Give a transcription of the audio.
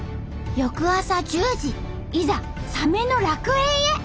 翌朝１０時いざサメの楽園へ！